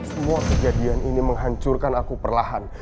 semua kejadian ini menghancurkan aku perlahan